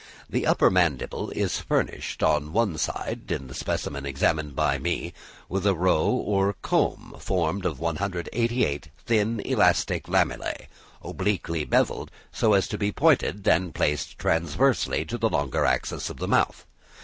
The upper mandible is furnished on each side (in the specimen examined by me) with a row or comb formed of 188 thin, elastic lamellæ, obliquely bevelled so as to be pointed, and placed transversely to the longer axis of the mouth.